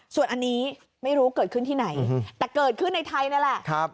ส่วนอันนี้ไม่รู้เกิดขึ้นที่ไหนแต่เกิดขึ้นในไทยนั่นแหละ